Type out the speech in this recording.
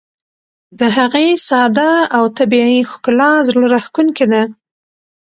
د هغې ساده او طبیعي ښکلا زړه راښکونکې ده.